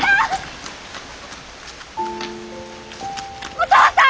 お父さん！？